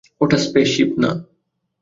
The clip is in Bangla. ওটা স্পেসশিপ না।